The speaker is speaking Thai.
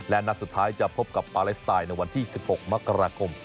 และนัดสุดท้ายจะพบกับปาเลสไตน์ในวันที่๑๖มกราคม